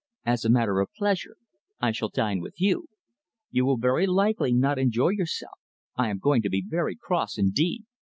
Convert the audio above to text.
As a matter of pleasure, I shall dine with you. You will very likely not enjoy yourself. I am going to be very cross indeed.